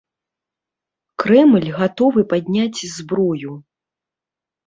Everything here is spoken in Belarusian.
Крэмль гатовы падняць зброю.